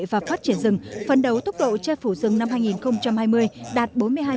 và phát triển rừng phần đầu tốc độ che phủ rừng năm hai nghìn hai mươi đạt bốn mươi hai